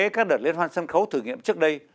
các đợt liên hoan sân khấu thử nghiệm trước đây